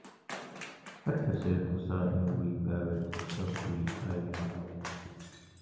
هەر کەسێ نوقسانی ڕووی باوێتە سەر ڕووی ئاینە